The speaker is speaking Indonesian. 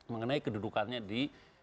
mengenai kedudukannya di